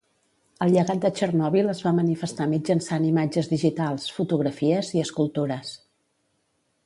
El llegat de Chernobyl es va manifestar mitjançant imatges digitals, fotografies i escultures.